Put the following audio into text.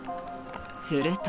すると。